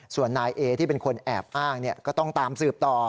ส่วนนายเอที่เป็นคนแอบอ้างก็ต้องตามสืบต่อ